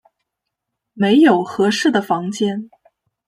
没有适合的房间